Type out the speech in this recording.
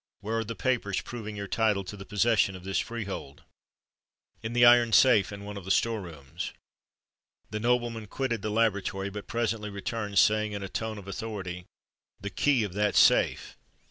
"Where are the papers proving your title to the possession of this freehold?" "In the iron safe, in one of the store rooms." The nobleman quitted the laboratory, but presently returned, saying in a tone of authority, "The key of that safe!"